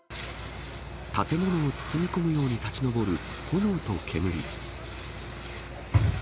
建物を包み込むように立ち上る炎と煙。